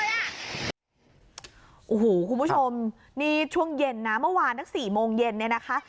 โอ้โหคุณผู้ชมนี่ช่วงเย็นนะเมื่อวานตั้ง๔โมงเย็นเนี่ยนะคะ